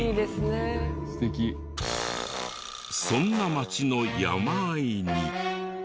そんな町の山あいに。